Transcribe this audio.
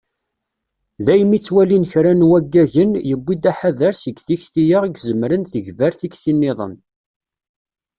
Daymi i ttwalin kra n waggagen, yewwi-d aḥader seg tikti-a i izemren tegber tikti-nniḍen.